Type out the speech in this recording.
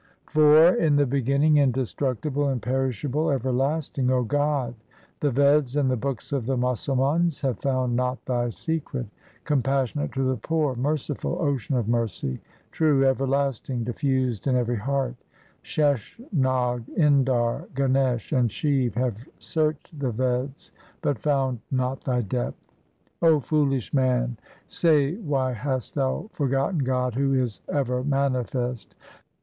IV In the beginning, indestructible, imperishable, ever lasting :— O God, the Veds and the books of the Musalmans have found not Thy secret. Compassionate to the poor, merciful, Ocean of mercy, true, everlasting, diffused in every heart, Sheshnag, Indar, Ganesh, and Shiv have searched the Veds, but found not Thy depth. 0 foolish man, say why hast thou forgotten God who is ever manifest